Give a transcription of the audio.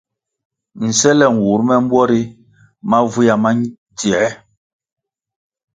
Nsele nwur me mbwo ri mavywia ma dziē.